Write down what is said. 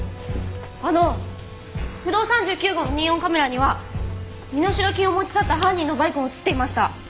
あの府道３９号の２４カメラには身代金を持ち去った犯人のバイクも映っていました。